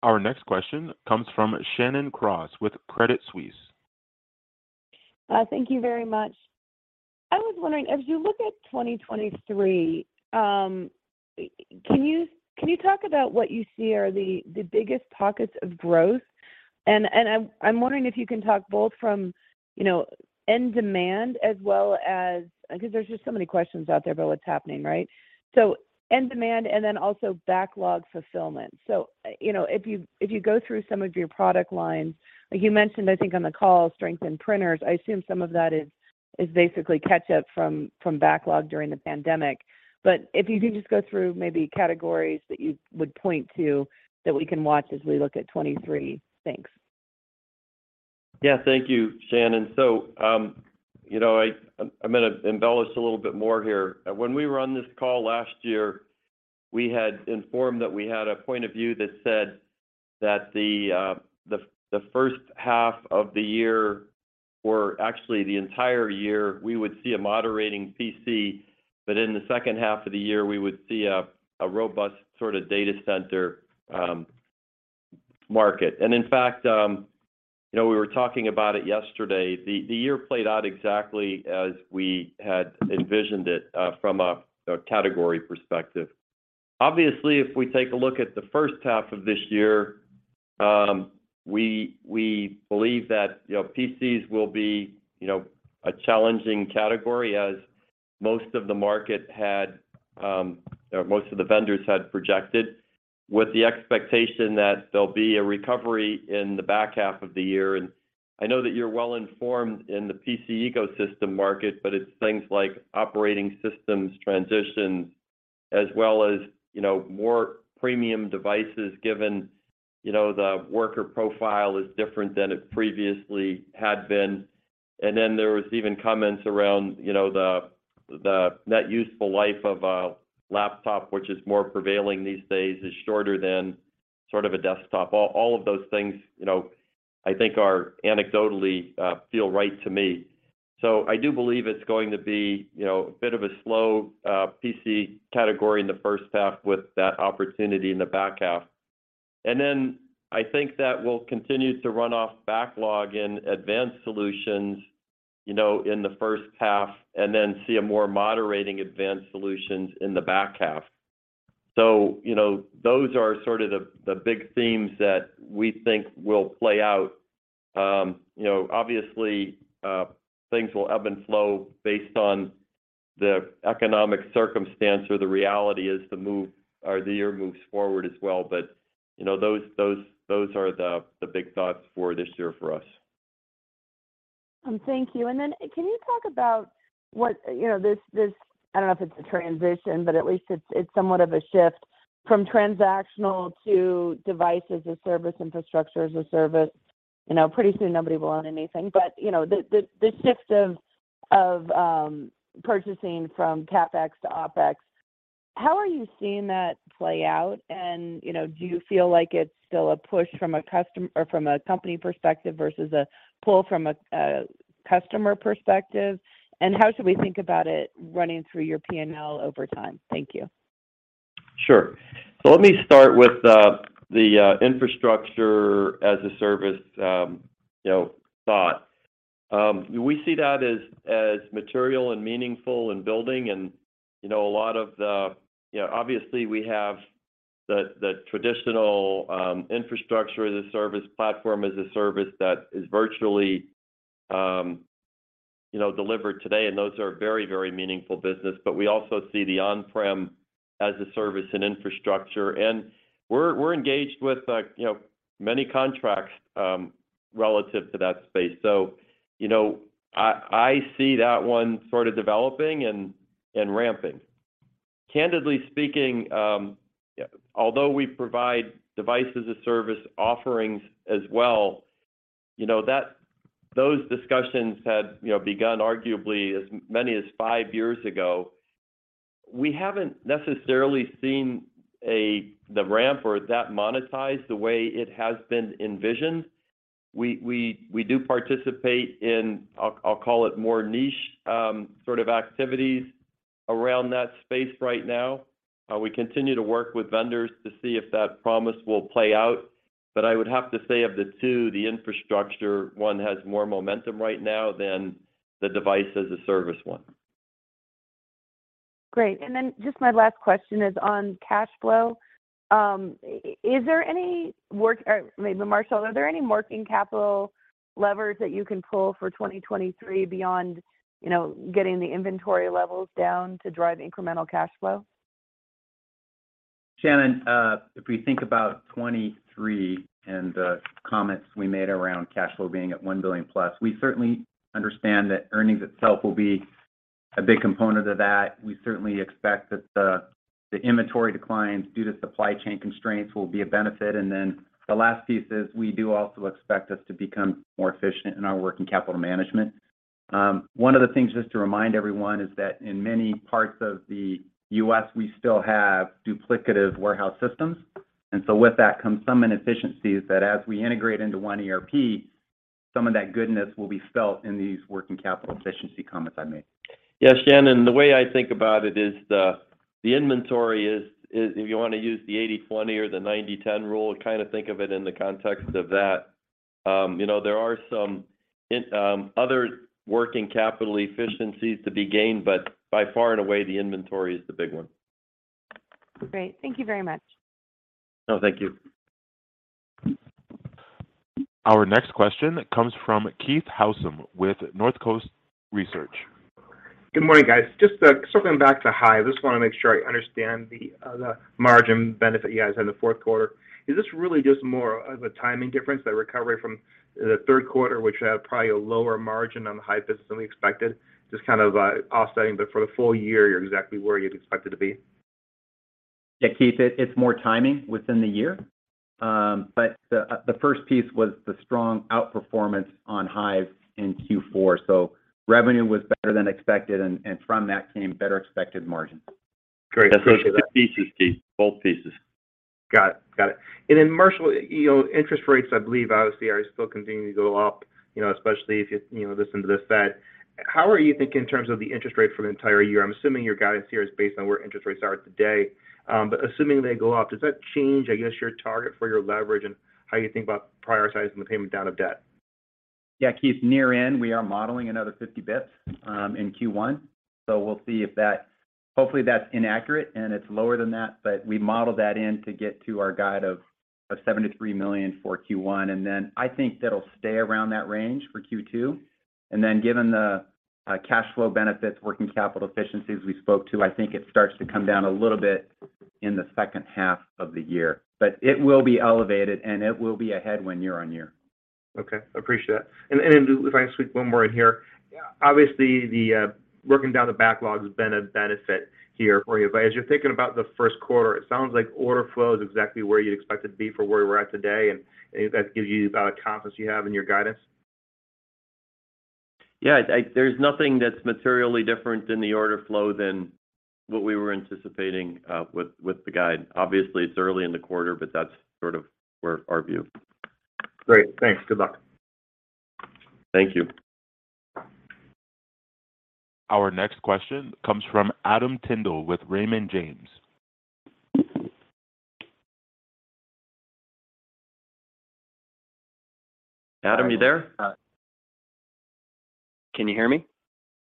Our next question comes from Shannon Cross with Credit Suisse. Thank you very much. I was wondering, as you look at 2023, can you talk about what you see are the biggest pockets of growth? I'm wondering if you can talk both from, you know, end demand as well as. Because there's just so many questions out there about what's happening, right? End demand and then also backlog fulfillment. You know, if you go through some of your product lines, like you mentioned, I think, on the call, strength in printers, I assume some of that is basically catch-up from backlog during the pandemic. If you can just go through maybe categories that you would point to that we can watch as we look at 2023. Thanks. Yeah. Thank you, Shannon. You know, I'm gonna embellish a little bit more here. When we were on this call last year, we had informed that we had a point of view that said that the first half of the year or actually the entire year, we would see a moderating PC, but in the second half of the year, we would see a robust sort of data center market. In fact, you know, we were talking about it yesterday. The year played out exactly as we had envisioned it from a category perspective. Obviously, if we take a look at the first half of this year, we believe that, you know, PCs will be, you know, a challenging category as most of the market had, or most of the vendors had projected with the expectation that there'll be a recovery in the back half of the year. And I know that you're well-informed in the PC ecosystem market, but it's things like operating systems transitions as well as, you know, more premium devices given, you know, the worker profile is different than it previously had been. And then there was even comments around, you know, the net useful life of a laptop, which is more prevailing these days, is shorter than sort of a desktop. All of those things, you know, I think are anecdotally, feel right to me. I do believe it's going to be, you know, a bit of a slow PC category in the first half with that opportunity in the back half. I think that we'll continue to run off backlog in Advanced Solutions, you know, in the first half and then see a more moderating Advanced Solutions in the back half. You know, those are sort of the big themes that we think will play out. You know, obviously, things will ebb and flow based on the economic circumstance or the reality as the year moves forward as well. You know, those are the big thoughts for this year for us. Thank you. Then can you talk about You know, this, I don't know if it's a transition, but at least it's somewhat of a shift from transactional to Device-as-a-Service, Infrastructure-as-a-Service. You know, pretty soon nobody will own anything, but, you know, the shift of purchasing from CapEx to OpEx, how are you seeing that play out? You know, do you feel like it's still a push from a company perspective versus a pull from a customer perspective? How should we think about it running through your P&L over time? Thank you. Sure. Let me start with the Infrastructure-as-a-Service thought. We see that as material and meaningful in building and a lot of the. Obviously we have the traditional Infrastructure-as-a-Service, platform as a service that is virtually delivered today, and those are very meaningful business. We also see the on-prem as a service and infrastructure, and we're engaged with many contracts relative to that space. I see that one sort of developing and ramping. Candidly speaking, although we provide Device-as-a-Service offerings as well, those discussions had begun arguably as many as five years ago. We haven't necessarily seen the ramp or that monetized the way it has been envisioned. We do participate in, I'll call it more niche sort of activities around that space right now. We continue to work with vendors to see if that promise will play out. I would have to say of the two, the infrastructure one has more momentum right now than the Device-as-a-Service one. Great. Just my last question is on cash flow. Or maybe Marshall, are there any working capital levers that you can pull for 2023 beyond, you know, getting the inventory levels down to drive incremental cash flow? Shannon, if we think about 2023 and the comments we made around cash flow being at $1 billion-plus, we certainly understand that earnings itself will be a big component of that. We certainly expect that the inventory declines due to supply chain constraints will be a benefit. The last piece is we do also expect us to become more efficient in our working capital management. One of the things just to remind everyone is that in many parts of the U.S., we still have duplicative warehouse systems. With that comes some inefficiencies that as we integrate into 1ERP, some of that goodness will be felt in these working capital efficiency comments I made. Yes, Shannon. The way I think about it is the inventory is if you wanna use the 80/20 or the 90/10 rule, kind of think of it in the context of that. You know, there are some in other working capital efficiencies to be gained, but by far and away, the inventory is the big one. Great. Thank you very much. No, thank you. Our next question comes from Keith Housum with Northcoast Research. Good morning, guys. Just circling back to Hyve, I just wanna make sure I understand the margin benefit you guys had in the fourth quarter. Is this really just more of a timing difference, that recovery from the third quarter, which had probably a lower margin on the Hyve business than we expected, just kind of offsetting, but for the full year, you're exactly where you'd expect it to be? Yeah, Keith, it's more timing within the year. The first piece was the strong outperformance on Hyve in Q4. Revenue was better than expected and from that came better expected margin. Great. Appreciate that. It's two pieces, Keith. Both pieces. Got it. Got it. Marshall, you know, interest rates, I believe, obviously are still continuing to go up, you know, especially if you know, listen to the Fed. How are you thinking in terms of the interest rate for the entire year? I'm assuming your guidance here is based on where interest rates are today. Assuming they go up, does that change, I guess, your target for your leverage and how you think about prioritizing the payment down of debt? Yeah, Keith, near end, we are modeling another 50 basis points in Q1, so we'll see if that. Hopefully that's inaccurate and it's lower than that, but we modeled that in to get to our guide of $73 million for Q1. I think that'll stay around that range for Q2. Given the cash flow benefits, working capital efficiencies we spoke to, I think it starts to come down a little bit in the second half of the year. It will be elevated, and it will be ahead when year-on-year. Okay. Appreciate it. Then, if I can squeeze one more in here. Yeah. Obviously, the working down the backlog has been a benefit here for you. As you're thinking about the first quarter, it sounds like order flow is exactly where you'd expect it to be for where we're at today, and that gives you the confidence you have in your guidance. Yeah. There's nothing that's materially different in the order flow than what we were anticipating, with the guide. Obviously, it's early in the quarter, but that's sort of where our view. Great. Thanks. Good luck. Thank you. Our next question comes from Adam Tindle with Raymond James. Adam, you there? Uh. Can you hear me?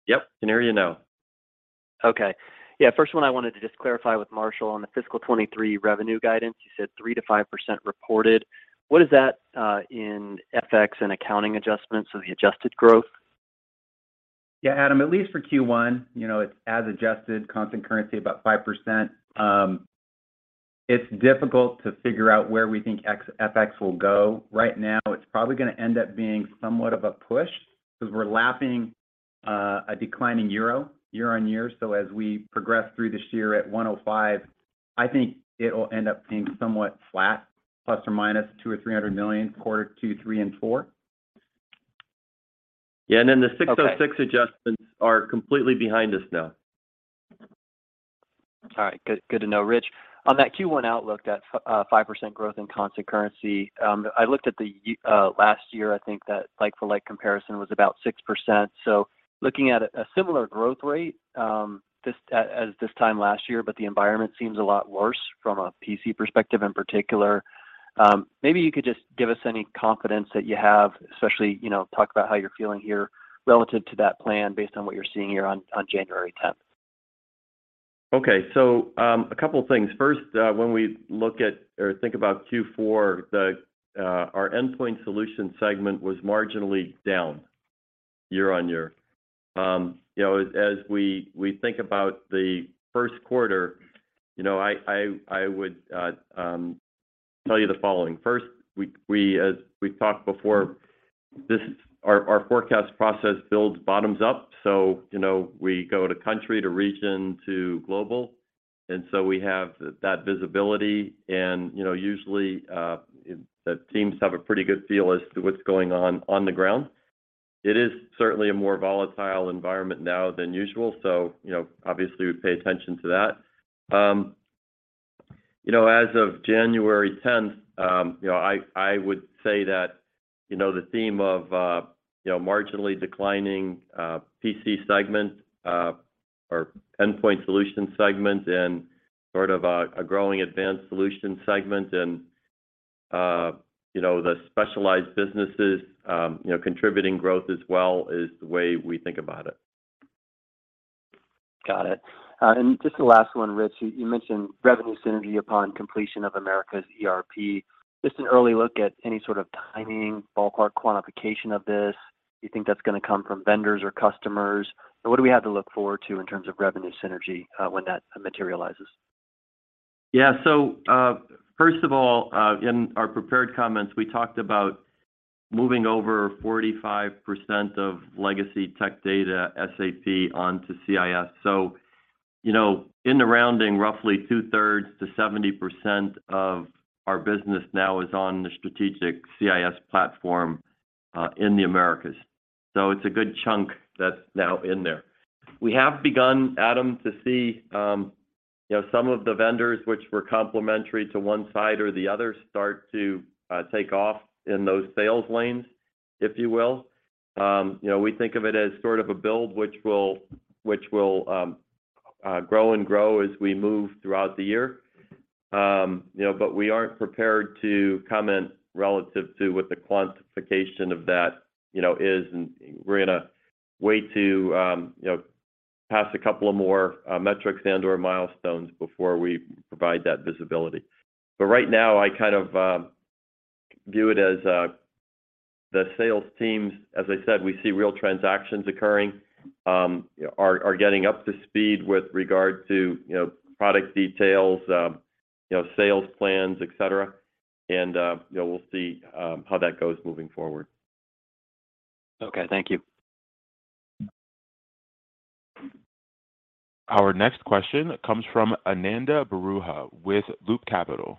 Yep. Can hear you now. Okay. Yeah. First one I wanted to just clarify with Marshall on the fiscal 2023 revenue guidance. You said 3%-5% reported. What is that in FX and accounting adjustments, so the adjusted growth? Yeah, Adam. At least for Q1, you know, it's as adjusted constant currency about 5%. It's difficult to figure out where we think ex-FX will go. Right now, it's probably gonna end up being somewhat of a push because we're lapping a declining euro year-on-year. As we progress through this year at 105, I think it'll end up being somewhat flat, ±$200 million-$300 million Q2, Q3, and Q4. Yeah. Then the 606- Okay... Adjustments are completely behind us now. All right. Good to know. Rich, on that Q1 outlook at 5% growth in constant currency, I looked at the last year, I think that like for like comparison was about 6%. Looking at a similar growth rate, as this time last year, but the environment seems a lot worse from a PC perspective in particular. Maybe you could just give us any confidence that you have, especially, you know, talk about how you're feeling here relative to that plan based on what you're seeing here on January 10th? Okay. a couple things. First, when we look at or think about Q4, our Endpoint Solutions segment was marginally down year-on-year. you know, as we think about the first quarter, you know, I would tell you the following. First, as we've talked before, our forecast process builds bottoms-up. you know, we go to country to region to global, we have that visibility and, you know, usually, the teams have a pretty good feel as to what's going on on the ground. It is certainly a more volatile environment now than usual, you know, obviously, we pay attention to that. You know, as of January 10th, you know, I would say that, you know, the theme of, you know, marginally declining, PC segment, or Endpoint Solutions segment and sort of a growing Advanced Solutions segment and, you know, the specialized businesses, you know, contributing growth as well is the way we think about it. Got it. Just the last one, Rich. You mentioned revenue synergy upon completion of America's ERP. Just an early look at any sort of timing, ballpark quantification of this? Do you think that's gonna come from vendors or customers? What do we have to look forward to in terms of revenue synergy when that materializes? First of all, in our prepared comments, we talked about moving over 45% of legacy tech data SAP onto CIS. In the rounding, you know, roughly 2/3 to 70% of our business now is on the strategic CIS platform in the Americas. It's a good chunk that's now in there. We have begun, Adam, to see, you know, some of the vendors which were complimentary to one side or the other start to take off in those sales lanes, if you will. You know, we think of it as sort of a build which will grow and grow as we move throughout the year. You know, but we aren't prepared to comment relative to what the quantification of that, you know, is, and we're gonna wait to, you know, pass a couple of more metrics and/or milestones before we provide that visibility. Right now, I kind of view it as the sales teams, as I said, we see real transactions occurring, are getting up to speed with regard to, you know, product details, you know, sales plans, et cetera. You know, we'll see how that goes moving forward. Okay. Thank you. Our next question comes from Ananda Baruah with Loop Capital.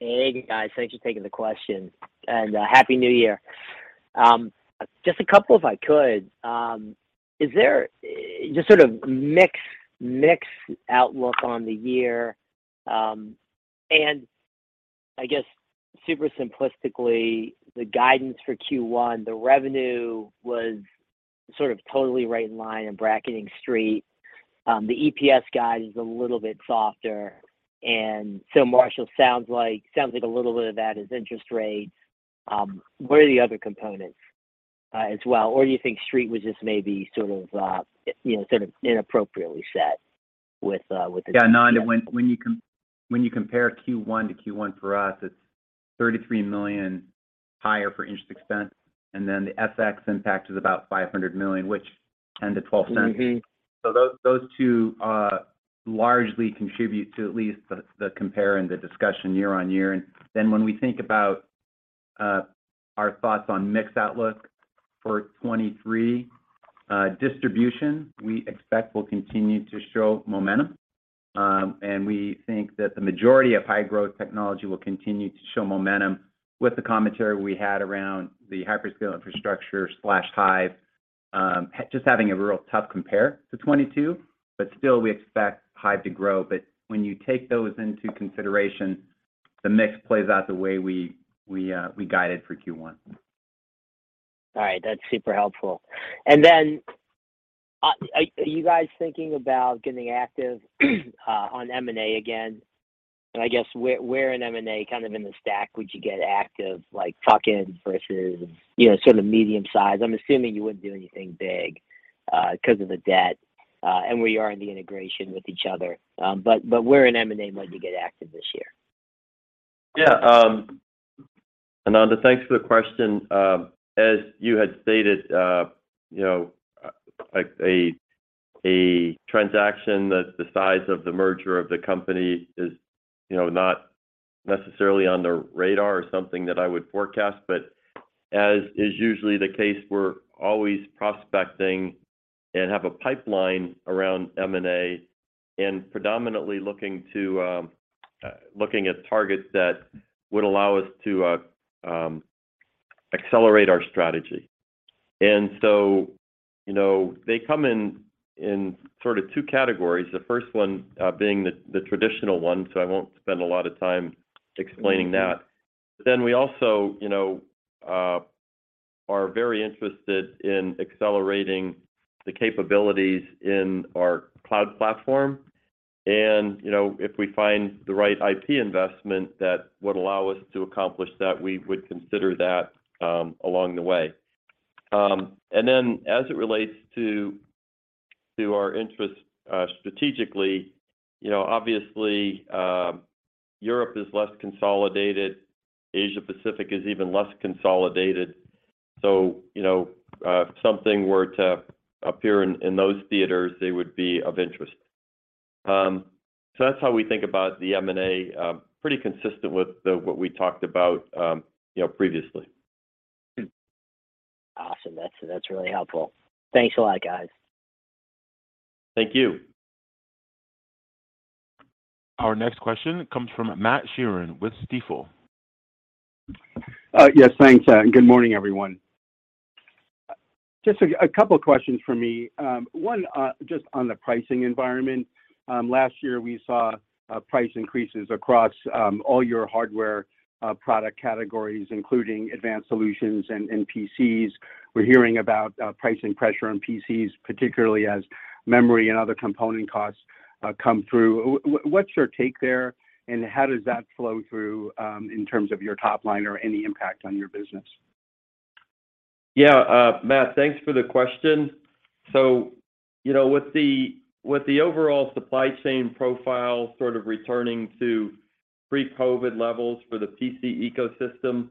Hey, guys. Thanks for taking the question, and Happy New Year. Just a couple, if I could. Is there just sort of mix outlook on the year? I guess super simplistically, the guidance for Q1, the revenue was sort of totally right in line in bracketing street. The EPS guide is a little bit softer, Marshall sounds like a little bit of that is interest rates. What are the other components as well? Do you think street was just maybe sort of, you know, sort of inappropriately set with the- Yeah, Nanda, when you compare Q1 to Q1 for us, it's $33 million higher for interest expense, the FX impact is about $500 million, which $0.10-$0.12. Mm-hmm. Those, those two largely contribute to at least the compare and the discussion year-on-year. Then when we think about our thoughts on mix outlook for 2023, distribution, we expect will continue to show momentum. And we think that the majority of high-growth technology will continue to show momentum with the commentary we had around the hyperscale infrastructure/Hyve, just having a real tough compare to 2022. Still, we expect Hyve to grow. When you take those into consideration, the mix plays out the way we guided for Q1. All right. That's super helpful. Are you guys thinking about getting active on M&A again? I guess where in M&A kind of in the stack would you get active, like tuck-in versus, you know, sort of medium-sized? I'm assuming you wouldn't do anything big 'cause of the debt and where you are in the integration with each other. Where in M&A might you get active this year? Yeah. Ananda, thanks for the question. As you had stated, you know, like a transaction that's the size of the merger of the company is, you know, not necessarily on the radar or something that I would forecast. As is usually the case, we're always prospecting and have a pipeline around M&A, and predominantly looking to looking at targets that would allow us to accelerate our strategy. You know, they come in sort of two categories, the first one being the traditional one, so I won't spend a lot of time explaining that. We also, you know, are very interested in accelerating the capabilities in our cloud platform. You know, if we find the right IP investment that would allow us to accomplish that, we would consider that along the way. As it relates to our interest, strategically, you know, obviously, Europe is less consolidated, Asia-Pacific is even less consolidated. You know, if something were to appear in those theaters, they would be of interest. That's how we think about the M&A, pretty consistent with the, what we talked about, you know, previously. Awesome. That's really helpful. Thanks a lot, guys. Thank you. Our next question comes from Matt Sheerin with Stifel. Yes, thanks. Good morning, everyone. Just a couple questions from me. One, just on the pricing environment. Last year we saw price increases across all your hardware product categories, including Advanced Solutions and PCs. We're hearing about pricing pressure on PCs, particularly as memory and other component costs come through. What's your take there, and how does that flow through in terms of your top line or any impact on your business? Yeah. Matt, thanks for the question. You know, with the, with the overall supply chain profile sort of returning to pre-COVID levels for the PC ecosystem,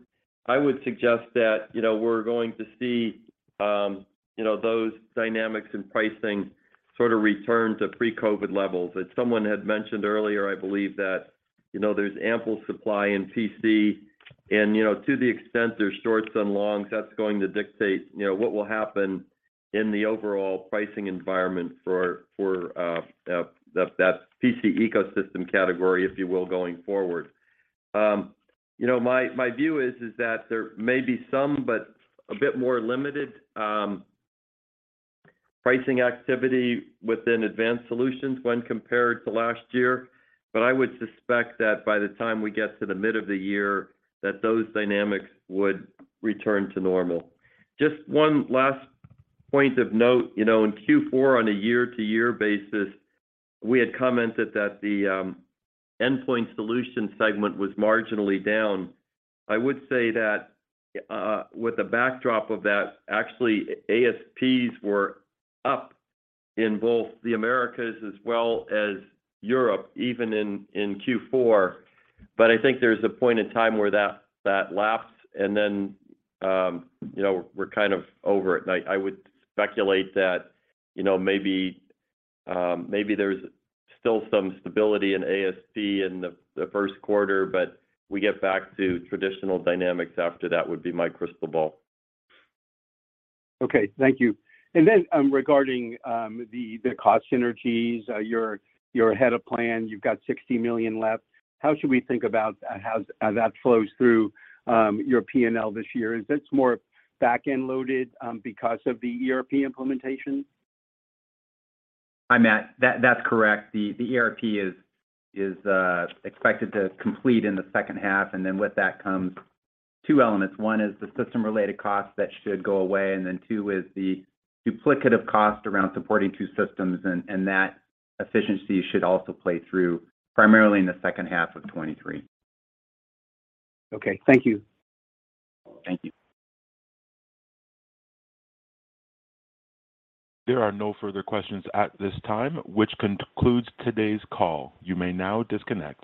I would suggest that, you know, we're going to see, you know, those dynamics in pricing sort of return to pre-COVID levels. As someone had mentioned earlier, I believe that, you know, there's ample supply in PC and, you know, to the extent there's shorts and longs, that's going to dictate, you know, what will happen in the overall pricing environment for that PC ecosystem category, if you will, going forward. You know, my view is that there may be some, but a bit more limited, pricing activity within Advanced Solutions when compared to last year. I would suspect that by the time we get to the mid of the year, that those dynamics would return to normal. Just one last point of note. You know, in Q4, on a year-over-year basis, we had commented that the Endpoint Solutions segment was marginally down. I would say that, with the backdrop of that, actually ASPs were up in both the Americas as well as Europe, even in Q4. I think there's a point in time where that lapsed and then, you know, we're kind of over it. I would speculate that, you know, maybe there's still some stability in ASP in the first quarter, but we get back to traditional dynamics after that would be my crystal ball. Okay. Thank you. Regarding the cost synergies, you're ahead of plan. You've got $60 million left. How should we think about how that flows through your P&L this year? Is this more back-end loaded because of the ERP implementation? Hi, Matt. That's correct. The ERP is expected to complete in the second half, and then with that comes two elements. One is the system-related cost that should go away, and then two is the duplicative cost around supporting two systems. That efficiency should also play through primarily in the second half of 2023. Okay. Thank you. Thank you. There are no further questions at this time, which concludes today's call. You may now disconnect.